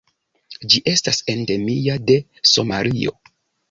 Ĝi estas endemia de Somalio.